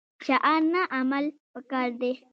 شعار نه عمل پکار دی